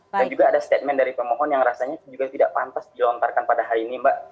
dan juga ada statement dari pemohon yang rasanya juga tidak pantas dilontarkan pada hari ini mbak